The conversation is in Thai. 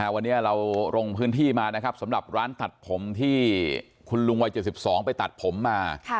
วันนี้เราลงพื้นที่มานะครับสำหรับร้านตัดผมที่คุณลุงวัย๗๒ไปตัดผมมา